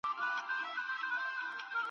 ایا موټر چلونکی به نن خپله کورنۍ خوشحاله کړي؟